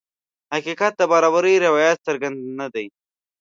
حقیقت د برابرۍ روایت څرګند نه دی.